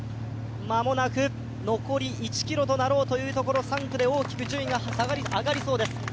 間もなく残り１ｋｍとなろうというところ、３区で大きく順位が上がりそうです